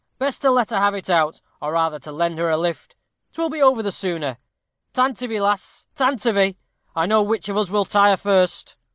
Best to let her have it out, or rather to lend her a lift. 'Twill be over the sooner. Tantivy, lass! tantivy! I know which of us will tire first."